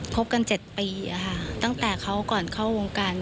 บกัน๗ปีตั้งแต่เขาก่อนเข้าวงการ